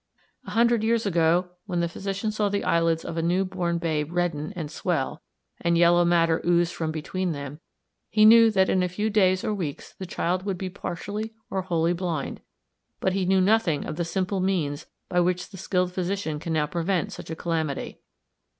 A hundred years ago, when the physician saw the eyelids of a new born babe redden, and swell, and yellow matter ooze from between them, he knew that in a few days or weeks the child would be partially or wholly blind, but he knew nothing of the simple means by which the skilled physician can now prevent such a calamity.